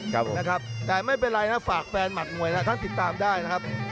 ครับบุ๊คแต่ไม่เป็นไรน่ะฝากแฟนหมัดมวยนะครับท่านติดตามได้นะครับ